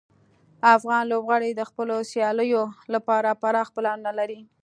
افغان لوبغاړي د خپلو سیالیو لپاره پراخ پلانونه لري.